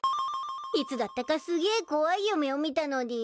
いつだったかすげい怖い夢を見たのでぃす。